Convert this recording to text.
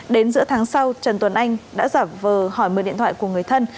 đến giữa tháng sau trần tuấn anh đã giả vờ hỏi mượn điện thoại của người thân